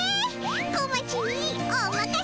こまちにおまかせ。